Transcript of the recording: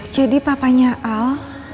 jadi papanya al